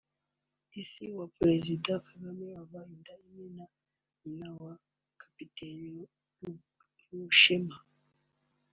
ise wa Perezida Kagame ava inda imwe na nyina wa Cpt Rushema